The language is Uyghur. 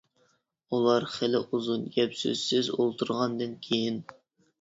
ئۇلار خىلى ئۇزۇن گەپ سۆزسىز ئولتۇرغاندىن كىيىن.